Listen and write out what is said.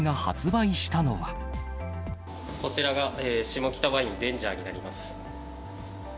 こちらが下北ワイン、デンジャーになります。